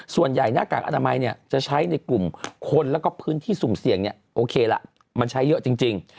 ส่วนใหญ่หน้ากากอนามัยจะใช้ในกลุ่มคนแล้วก็พื้นที่สุ่มเสี่ยงเนี่ยโอเคล่ะมันใช้เยอะจริง